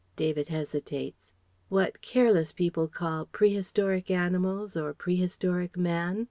(David hesitates) "What careless people call 'prehistoric animals' or 'prehistoric man.'